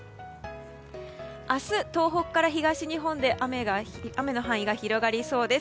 明日、東北から東日本で雨の範囲が広がりそうです。